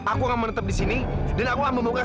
aku mau tetap di sini dan aku ambil muka